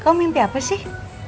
kamu mimpi apa sih